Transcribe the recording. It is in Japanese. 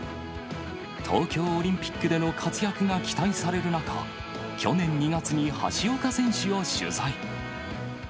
東京オリンピックでの活躍が期待される中、去年２月に橋岡選手を取材。